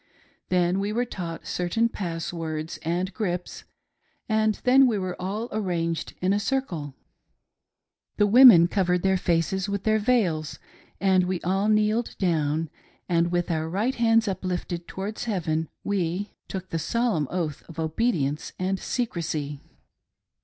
Then we were taught certain pass words and grips ; and then we were all arranged in a circle. The women THE TERRIBLE OATH OF SECRECY : THE TRAITOR's PENALTY. 363 covered their faces with their veils, and we all kneeled down, and, with our right hands uplifted towards heaven, we* took the solemn oath of obedience and secrecy.